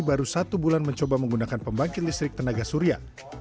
baru satu bulan mencoba menggunakan pembangkit listrik tenaga surya